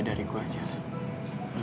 kadang bagi pronounced ini